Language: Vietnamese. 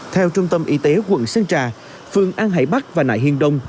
theo trung tâm y tế quận sơn trà phường an hải bắc và nại hiên đông